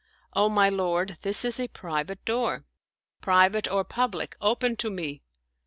" O my lord, this is a private door." " Private or public, open to me."